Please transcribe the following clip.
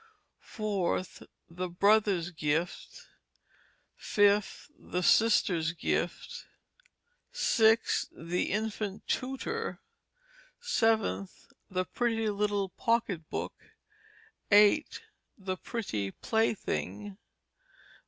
4th, The Brother's Gift. 5th, The Sister's Gift. 6th, The Infant Tutor. 7th, The Pretty Little Pocket Book. 8th, The Pretty Plaything.